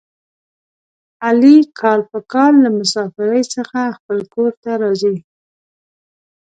علي کال په کال له مسافرۍ څخه خپل کورته راځي.